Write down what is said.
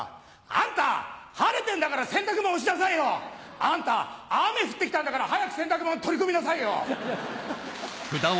あんた晴れてんだから洗濯物干しなさいよ！あんた雨降って来たんだから早く洗濯物取り込みなさいよ。